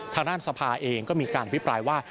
ทางด้านสภาเองก็มีการพิปรายว่า